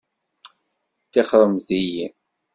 Tixxṛemt-iyi!